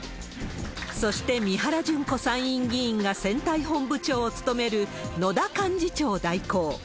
そして、三原じゅん子参院議員が選対本部長を務める、野田幹事長代行。